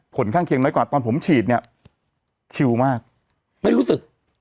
ผลข้างเคียงน้อยกว่าตอนผมฉีดเนี่ยชิลมากไม่รู้สึก